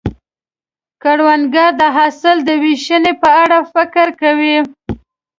کروندګر د حاصل د ویشنې په اړه فکر کوي